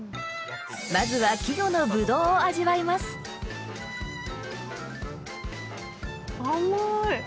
まずは季語の葡萄を味わいます甘い！